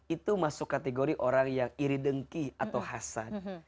itu masuk kategori orang yang iri dengki atau hasan